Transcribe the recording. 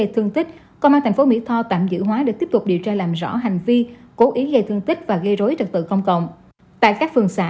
trực tự công cộng tại các phường xã